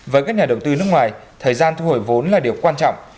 với các nhà đầu tư nước ngoài thời gian thu hồi vốn là điều quan trọng